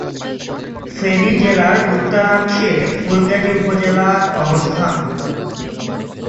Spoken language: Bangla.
ফেনী জেলার উত্তরাংশে ফুলগাজী উপজেলার অবস্থান।